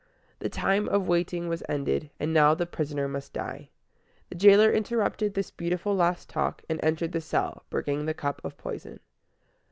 The time of waiting was ended, and now the prisoner must die. The jailer interrupted this beautiful last talk, and entered the cell, bringing the cup of poison.